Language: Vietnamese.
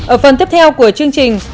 ở phần tiếp theo của chương trình